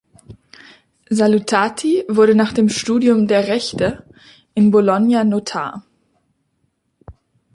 Salutati wurde nach dem Studium der Rechte in Bologna Notar.